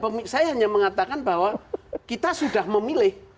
saya hanya mengatakan bahwa kita sudah memilih